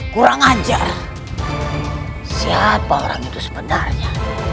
kurang ajar siapa orang itu sebenarnya